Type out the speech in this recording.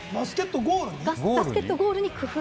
バスケットゴールに？